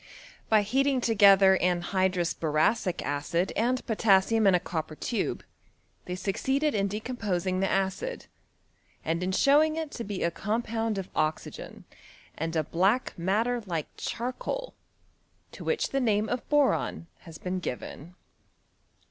By heating together anhydrous boracic acid and potassium in a copper tube, they succeeded in de composing the acid, and in showing it to be a com pound of oxygen, and a black matter like cheur coal, to which the name of boron has been gjiven.